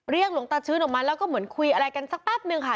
หลวงตาชื้นออกมาแล้วก็เหมือนคุยอะไรกันสักแป๊บนึงค่ะ